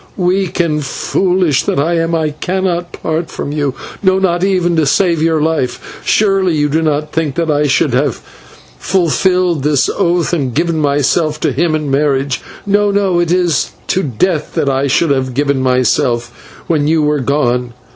weak and foolish that I am, I cannot part from you, no, not even to save your life. Surely you did not think that I should have fulfilled this oath and given myself to him in marriage. No, no it is to death that I should have given myself when you were gone.